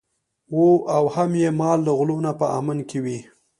او هم یې مال له غلو نه په امن کې وي.